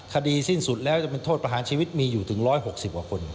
คดีสิ้นสุดแล้วจะเป็นโทษประหารชีวิตมีอยู่ถึง๑๖๐กว่าคน